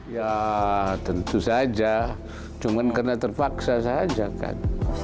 ya tentu saja cuma karena terpaksa saja kan